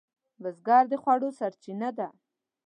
بزګر د خوړو سرچینه ده